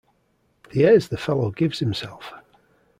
The airs the fellow gives himself!